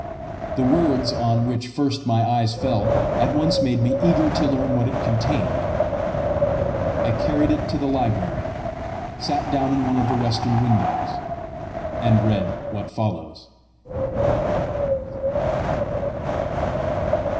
The words on which first my eyes fell, at once made me eager to learn what it contained. I carried it to the library, sat down in one of the western windows, and read what follows.